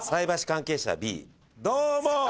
どうも！